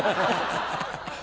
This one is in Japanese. ハハハハ。